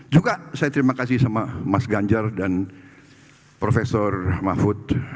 juga saya terima kasih sama mas ganjar dan prof mahfud